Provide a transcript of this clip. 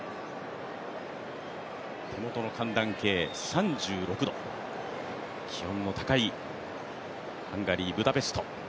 手元の寒暖計３６度、気温の高いハンガリー・ブダペスト。